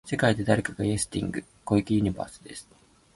世界で誰かがウェイティング、小池ユニバースです。